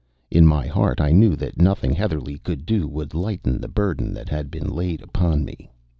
In my heart I knew that nothing Heatherlegh could do would lighten the burden that had been laid upon me.